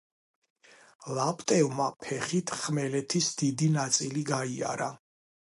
ლაპტევმა ფეხით ხმელეთის დიდი ნაწილი გაიარა.